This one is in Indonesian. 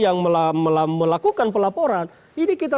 yang melakukan pelaporan ini kita